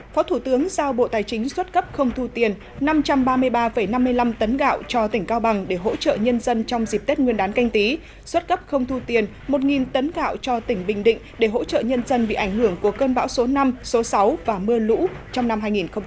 phó thủ tướng giao bộ tài chính xuất cấp không thu tiền năm trăm ba mươi ba năm mươi năm tấn gạo cho tỉnh cao bằng để hỗ trợ nhân dân trong dịp tết nguyên đán canh tí xuất cấp không thu tiền một tấn gạo cho tỉnh bình định để hỗ trợ nhân dân bị ảnh hưởng của cơn bão số năm số sáu và mưa lũ trong năm hai nghìn hai mươi